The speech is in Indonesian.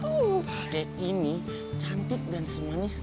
kode ini cantik dan semanis